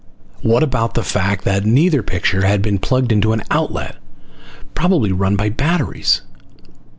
What about the fact that neither picture had been plugged into an outlet? Probably run by batteries.